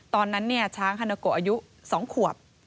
ตอนนั้นช้างฮานาโกอายุ๒ขวบ